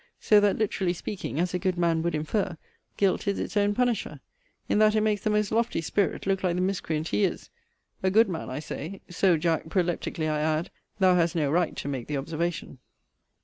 So that, literally speaking, as a good man would infer, guilt is its own punisher: in that it makes the most lofty spirit look like the miscreant he is a good man, I say: So, Jack, proleptically I add, thou hast no right to make the observation.